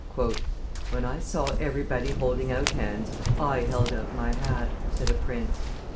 "When I saw everybody holding out hands, I held out my hat," said a prince.